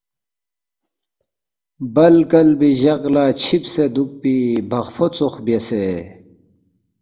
بل کلبی جق لا چھیبسے دوکپی بخفو ژوخ بیاسے